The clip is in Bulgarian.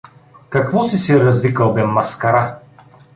— Какво си се развикал бе, маскара?